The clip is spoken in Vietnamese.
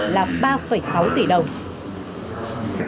là ba sáu tỷ đồng